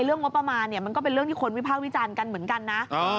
เรื่องงบประมาณเนี่ยมันก็เป็นเรื่องที่คนวิพากษ์วิจารณ์กันเหมือนกันนะ